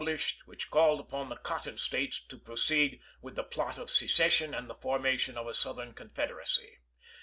lished, which called upon the Cotton States to pro ceed with the plot of secession and the formation of a Southern Confederacy.